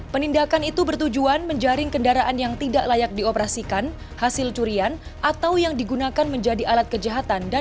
penindakan itu bertujuan menjaring kendaraan yang tidak layak dioperasikan hasil curian atau yang digunakan menjadi alat kejahatan